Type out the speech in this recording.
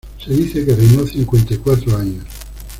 Se dice que reinó cincuenta y cuatro años.